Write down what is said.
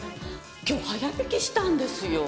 今日早引きしたんですよ。